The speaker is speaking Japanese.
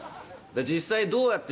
実際。